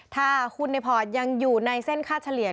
ถ้าคุณในพอร์ตยังอยู่ในเส้นค่าเฉลี่ย